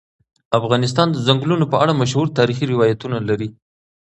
افغانستان د ځنګلونه په اړه مشهور تاریخی روایتونه لري.